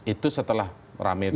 itu setelah rame tiba tiba